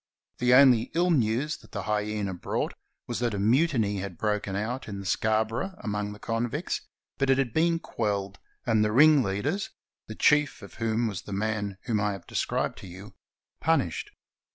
The only ill news that the Hyena brought was that a mutiny had broken out in the Scarborough among the convicts, but it had been quelled, and the ringleaders (the chief of whom was the man whom I have described to you) punished.